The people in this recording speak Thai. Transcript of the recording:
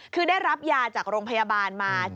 คือได้รับยาจากโรงพยาบาลมา